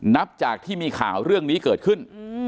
นับจากที่มีข่าวเรื่องนี้เกิดขึ้น